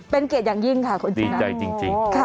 เป็นเกตอย่างยิ่งค่ะคุณชนะ